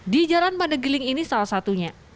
di jalan pandegiling ini salah satunya